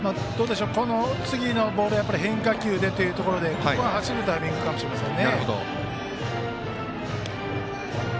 次のボール変化球でというところでここは走るタイミングかもしれません。